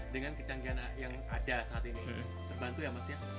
dengan kecanggihan yang ada saat ini terbantu ya mas ya